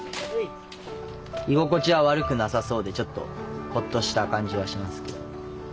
居心地は悪くなさそうでちょっとほっとした感じはしますけど。